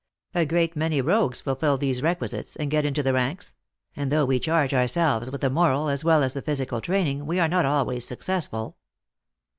A great many rogues fulfil these requisites, and get into the ranks ; and though we charge ourselves with the moral as well as the physical training, we are not always successful.